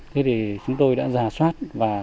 thế thì chúng tôi đã giả soát